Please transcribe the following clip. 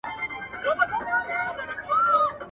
نجلۍ باید د شخړې قرباني نه سي.